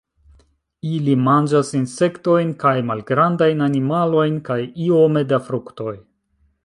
Ili manĝas insektojn kaj malgrandajn animalojn kaj iome da fruktoj.